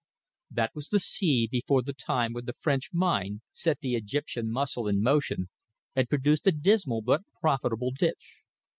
That was the sea before the time when the French mind set the Egyptian muscle in motion and produced a dismal but profitable ditch.